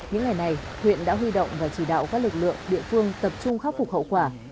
những ngày này huyện đã huy động và chỉ đạo các lực lượng địa phương tập trung khắc phục hậu quả